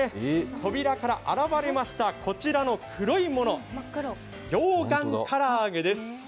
扉から現れました、こちらの黒いもの、溶岩からあげです。